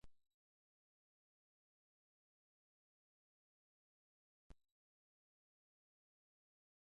Par of his collections are held in the Hall collection at Oldham Museum.